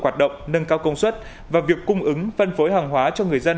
hoạt động nâng cao công suất và việc cung ứng phân phối hàng hóa cho người dân